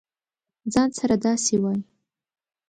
ځـان سره داسې وایې.